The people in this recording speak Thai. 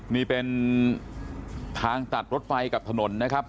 นี่เป็นทางตัดรถไฟกับถนนนะครับ